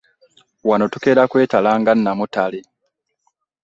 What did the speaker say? Wano tukeera kwetala nga namutale.